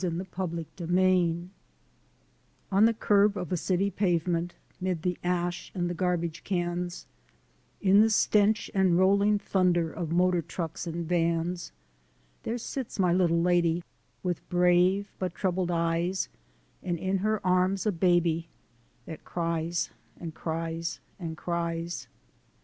I GO TO JAIL ONCE MORE On the curb of a city pavement, 'Mid the ash and garbage cans; In the stench and rolling thunder Of motor trucks and vans; There sits my little lady, With brave but troubled eyes, And in her arms a baby, That cries, and cries, and cries.